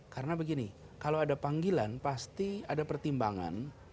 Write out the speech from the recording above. karena begini kalau ada panggilan pasti ada pertimbangan